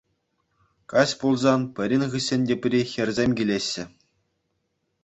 Каҫ пулсан пӗрин хыҫҫӑн тепри хӗрсем килеҫҫӗ.